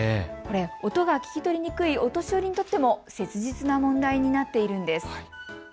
これ、音が聞き取りにくいお年寄りにとっても切実な問題になっているんです。